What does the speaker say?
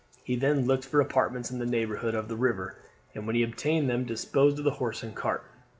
He then looked for apartments in the neighbourhood of the river, and when he had obtained them disposed of the horse and cart.